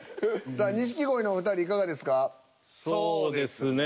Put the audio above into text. さあ錦鯉のお二人いかがですか？